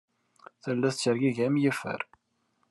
Tella tettergigi am yifer.